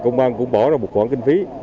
công an cũng bỏ ra một khoản kinh phí